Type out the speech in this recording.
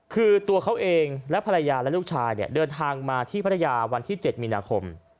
คือตัวเขาเองและภรรยาและลูกชายเนี่ยเดินทางมาที่พัทยาวันที่๗มีนาคม